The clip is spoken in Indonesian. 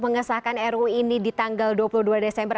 mengesahkan ru ini di tanggal dua puluh dua desember